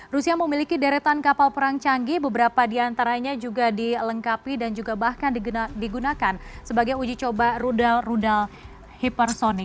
rusia memiliki deretan kapal perang canggih beberapa diantaranya juga dilengkapi dan juga bahkan digunakan sebagai uji coba rudal rudal hipersonic